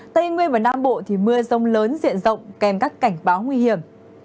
tây nguyên và nam bộ thì mưa rông lớn diện rộng kèm các cảnh báo nguy hiểm